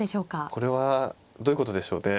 これはどういうことでしょうね。